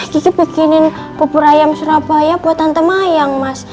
kiki bikinin pupur ayam surabaya buat tante mayan mas